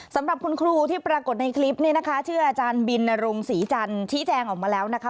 สำหรับคุณครูที่ปรากฏในคลิปนี้นะคะชื่ออาจารย์บินนรงศรีจันทร์ชี้แจงออกมาแล้วนะคะ